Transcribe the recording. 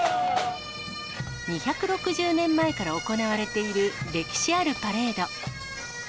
２６０年前から行われている歴史あるパレード。